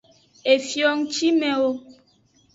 Efio ngcimewo.